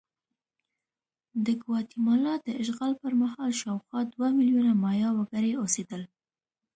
د ګواتیمالا د اشغال پر مهال شاوخوا دوه میلیونه مایا وګړي اوسېدل.